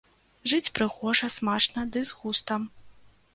Жыць прыгожа, смачна ды з густам.